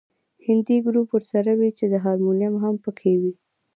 هنري ګروپ ورسره وي چې هارمونیم هم په کې وي.